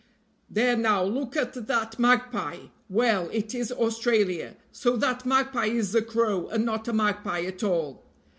There now, look at that magpie! well, it is Australia so that magpie is a crow and not a magpie at all.